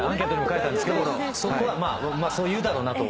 そこはまあそう言うだろうなと思って。